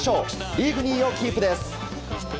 リーグ２位をキープです。